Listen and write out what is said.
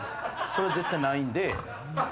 それ絶対ないんで。